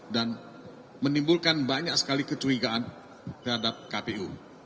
dan menimbulkan banyak sekali kecurigaan terhadap kpu